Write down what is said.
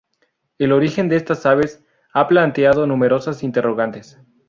El origen de estas aves ha planteado numerosas interrogantes.